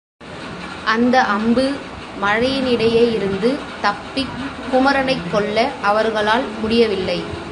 அந்த அம்பு மழையினிடையேயிருந்து தப்பிக் குமரனைக் கொல்ல அவர்களால் முடியவில்லை.